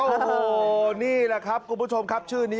โอ้โฮนี่แหละครับสมมติชื่อนี้